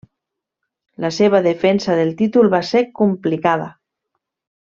La seva defensa del títol va ser complicada.